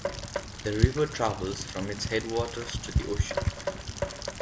The river travels from its headwaters to the ocean.